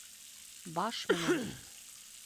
Баш менән!